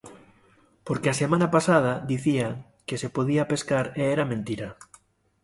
Porque a semana pasada dicían que se podía pescar e era mentira.